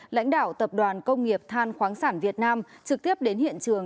lãnh đạo tập đoàn công nghiệp than khoáng sản việt nam trực tiếp đến hiện trường